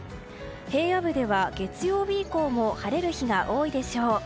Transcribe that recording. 平野部では月曜日以降も晴れる日が多いでしょう。